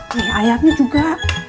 ini ayamnya juga